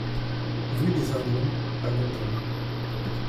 Rue des Ardouens à Gondrin